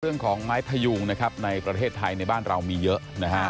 เรื่องของไม้พยุงนะครับในประเทศไทยในบ้านเรามีเยอะนะฮะ